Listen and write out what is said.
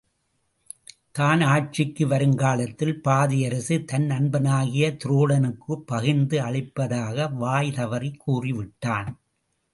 தான் ஆட்சிக்கு வருங்காலத்தில் பாதி அரசு தன் நண்பனாகிய துரோணனுக்குப் பகிர்ந்து அளிப்பதாக வாய் தவறிக் கூறி விட்டான்.